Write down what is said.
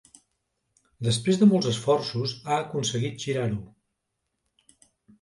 Després de molts esforços ha aconseguit girar-ho.